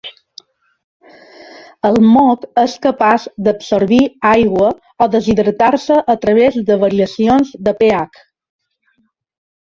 El moc és capaç d’absorbir aigua o deshidratar-se a través de variacions de pH.